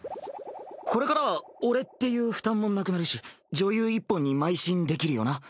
これからは俺っていう負担もなくなるし女優一本にまい進できるよな？